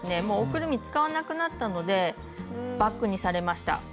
もうおくるみ使わなくなったのでバッグにされました。